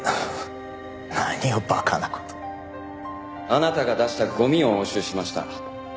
あなたが出したゴミを押収しました。